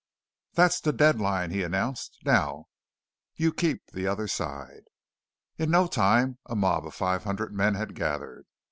"That's the dead line," he announced. "Now you keep the other side!" In no time a mob of five hundred men had gathered.